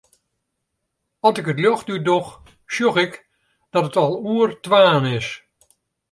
At ik it ljocht útdoch, sjoch ik dat it al oer twaen is.